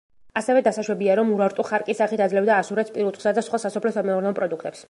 ასევე დასაშვებია, რომ ურარტუ ხარკის სახით აძლევდა ასურეთს პირუტყვსა და სხვა სასოფლო-სამეურნეო პროდუქტებს.